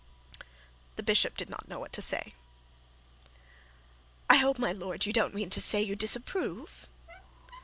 The bishop did not know what to say. 'I hope, my lord, you don't mean to say you disapprove?'